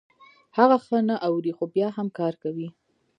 هغه ښه نه اوري خو بيا هم کار کوي.